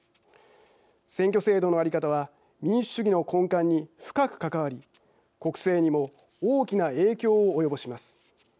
選挙制度の在り方は民主主義の根幹に深く関わり国政にも大きな影響を及ぼします。